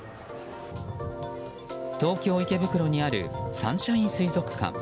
東京・池袋にあるサンシャイン水族館。